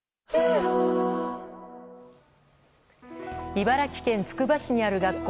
茨城県つくば市にある学校。